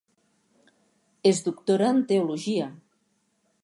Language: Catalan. Es doctora en teologia.